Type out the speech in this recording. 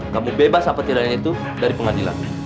kamu bebas apa tidaknya itu dari pengadilan